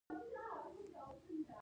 د هګۍ پوستکی د څه لپاره وکاروم؟